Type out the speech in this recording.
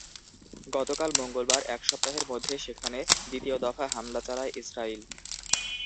গতকাল মঙ্গলবার এক সপ্তাহের মধ্যে সেখানে দ্বিতীয় দফা হামলা চালায় ইসরাইল।